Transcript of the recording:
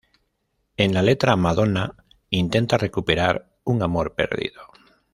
En la letra, Madonna intenta recuperar un amor perdido.